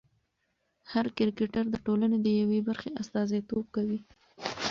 هر کرکټر د ټولنې د یوې برخې استازیتوب کوي.